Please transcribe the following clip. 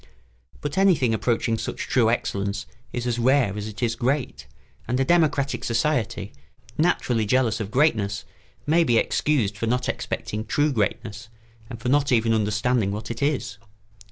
But anything approaching such true excellence is as rare as it is great, and a democratic society, naturally jealous of greatness, may be excused for not expecting true greatness and for not even understanding what it is.